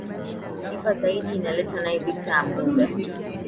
ifa zaidi inaletwa naye victor ambuga